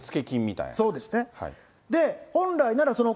そうですね。